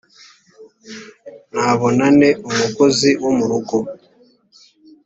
nabona nte umukozi wo mu rugo